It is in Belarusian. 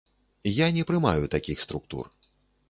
Я не прымаю такіх структур.